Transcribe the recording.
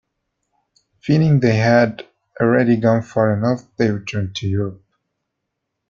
Feeling they had already gone far enough, they returned to Europe.